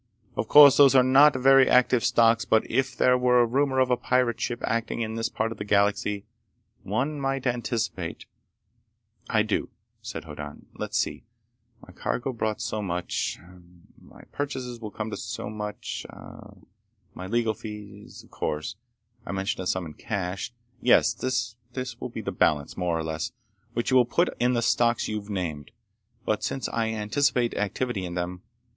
Of course those are not very active stocks, but if there were a rumor of a pirate ship acting in this part of the galaxy, one might anticipate—" "I do," said Hoddan. "Let's see. ... My cargo brought so much.... Hm m m.... My purchases will come to so much. Hm m m.... My legal fees, of course.... I mentioned a sum in cash. Yes. This will be the balance, more or less, which you will put in the stocks you've named, but since I anticipate activity in them.